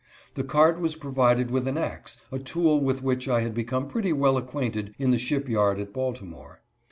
The cart was provided with an ax, a tool with which I had become pretty well acquainted in the ship yard at Baltimore.